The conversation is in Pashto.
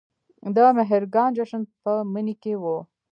د مهرګان جشن په مني کې و